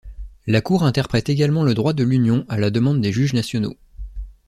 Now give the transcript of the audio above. La Cour interprète également le droit de l'Union à la demande des juges nationaux.